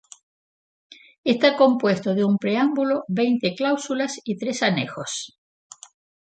Está compuesto de un preámbulo, veinte cláusulas y tres anejos.